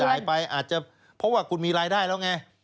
ไปอาจจะเพราะว่าคุณมีรายได้แล้วไง